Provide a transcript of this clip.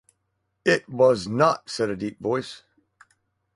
“It was not,” said a deep voice.